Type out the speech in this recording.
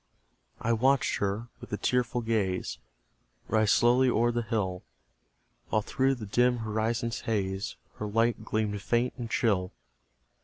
I watched her, with a tearful gaze, Rise slowly o'er the hill, While through the dim horizon's haze Her light gleamed faint and chill.